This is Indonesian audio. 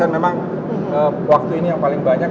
memang waktu ini yang paling banyak